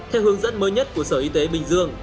theo hướng dẫn mới nhất của sở y tế bình dương